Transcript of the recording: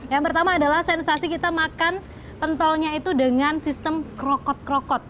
yang pertama adalah sensasi kita makan pentolnya itu dengan sistem krokot krokot